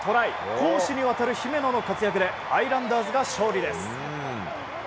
攻守にわたる姫野の活躍でハイランダーズが勝利です。